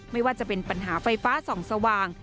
ไม่ว่าจะเป็นปัญหาไฟฟ้าส่องสว่าง